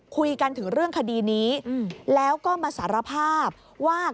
คุยกันถึงเรื่องคดีนี้แล้วก็มาสารภาพว่า